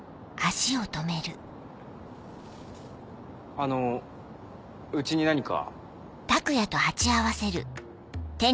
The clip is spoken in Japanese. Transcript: あのうちに何か？